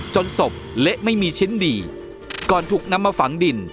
ศพเละไม่มีชิ้นดีก่อนถูกนำมาฝังดิน